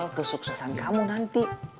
jadi awal kesuksesan kamu nanti